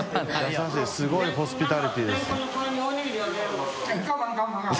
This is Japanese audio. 優しいすごいホスピタリティです。